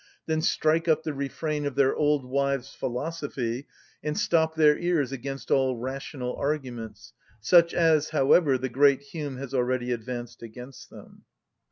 then strike up the refrain of their old wives' philosophy, and stop their ears against all rational arguments, such as, however, the great Hume has already advanced against them.